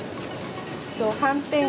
はんぺんが。